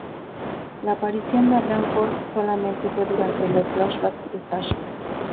La aparición de Abraham Ford solamente fue durante los flashbacks de Sasha.